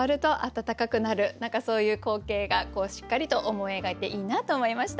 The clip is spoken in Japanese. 何かそういう光景がしっかりと思い描いていいなと思いました。